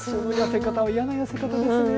嫌な痩せ方ですね。